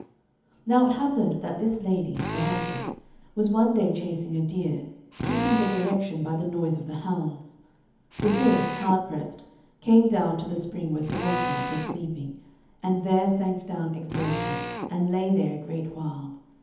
Now it happened that this lady, the huntress, was one day chasing a deer, keeping the direction by the noise of the hounds. The deer, hard pressed, came down to the spring where Sir Launcelot was sleeping, and there sank down exhausted, and lay there a great while.